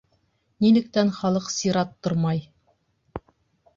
Нилектән халыҡ сират тормай?